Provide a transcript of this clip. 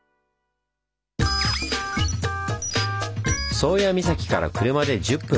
宗谷岬から車で１０分。